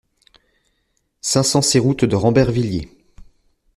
cinq cent six route de Rambervillers